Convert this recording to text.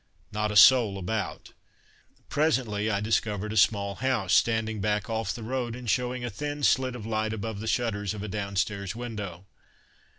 Not a soul about. Presently I discovered a small house, standing back off the road and showing a thin slit of light above the shutters of a downstairs window.